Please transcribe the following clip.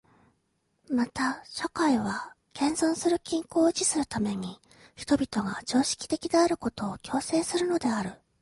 また社会は現存する均衡を維持するために人々が常識的であることを強制するのである。